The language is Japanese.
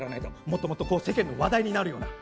もっともっとこう世間の話題になるような。